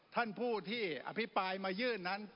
ท่านผู้ที่อภิปรายมายื่นนั้น